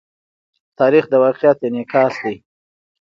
تاریخ د واقعیت انعکاس دی.